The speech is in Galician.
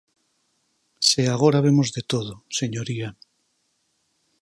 Se agora vemos de todo, señoría.